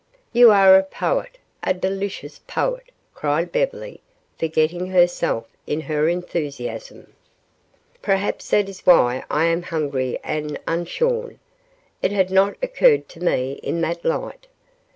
"You are a poet, a delicious poet," cried Beverly, forgetting herself in her enthusiasm. "Perhaps that is why I am hungry and unshorn. It had not occurred to me in that light.